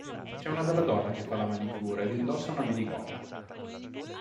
C'è una bella donna che fa la manicure ed indossa una minigonna.